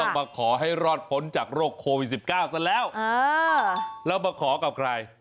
ต้องมาขอให้รอดฟ้นจากโรคโควิดสิบเก้าสัญละเออเรามาขอกับใคร